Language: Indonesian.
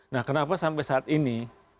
nah kenapa sampai saat ini